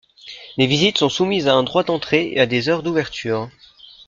Les visites sont soumises à un droit d'entrée et à des heures d'ouverture.